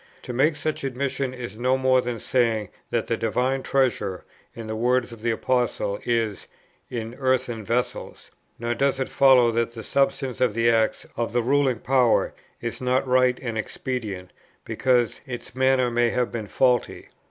To make such admission is no more than saying that the divine treasure, in the words of the Apostle, is "in earthen vessels;" nor does it follow that the substance of the acts of the ruling power is not right and expedient, because its manner may have been faulty.